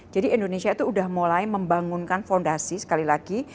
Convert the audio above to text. jadi indonesia itu sudah mulai membangunkan fondasi sekali lagi